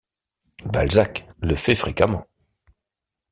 Balzac le fait fréquemment.